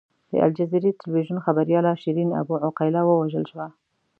د الجزیرې ټلویزیون خبریاله شیرین ابو عقیله ووژل شوه.